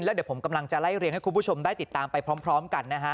แล้วเดี๋ยวผมกำลังจะไล่เรียงให้คุณผู้ชมได้ติดตามไปพร้อมกันนะฮะ